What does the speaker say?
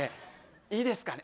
いいですかね？